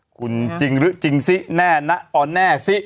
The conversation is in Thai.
คุณจริงหรือจริงซิแน่นะออแน่ซิ